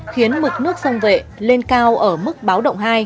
khiến mực nước sông vệ lên cao ở mức báo động hai